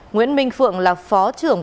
nguyễn minh phượng là phó trưởng